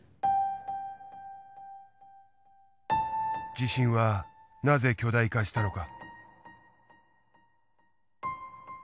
地震はなぜ巨大化したのか。